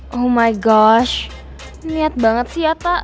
oh my gosh niat banget sih ya pak